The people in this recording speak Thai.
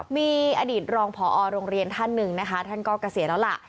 มีอดีตรองพอโรงเรียนท่านหนึ่งนะคะท่านก็เกษียณแล้วล่ะ